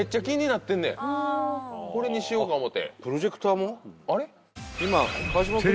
これにしようか思うて。